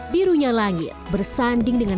birunya langit bersanding dengan